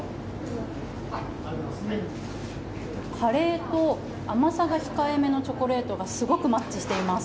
カレーと甘さが控えめのチョコレートがすごくマッチしています。